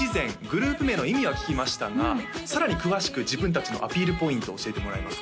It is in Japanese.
グループ名の意味は聞きましたがさらに詳しく自分達のアピールポイントを教えてもらえますか？